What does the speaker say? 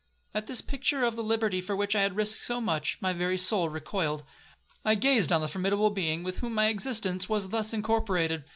At this picture of the liberty for which I had risked so much, my very soul recoiled. I gazed on the formidable being with whom my existence was thus incorporated.